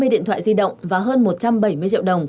hai mươi điện thoại di động và hơn một trăm bảy mươi triệu đồng